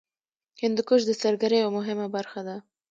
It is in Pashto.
هندوکش د سیلګرۍ یوه مهمه برخه ده.